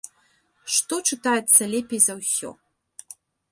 Што чытаецца лепей за ўсё?